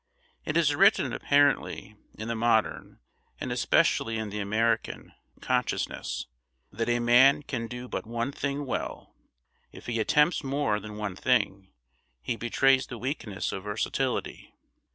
It is written, apparently, in the modern, and especially in the American, consciousness, that a man can do but one thing well; if he attempts more than one thing, he betrays the weakness of versatility.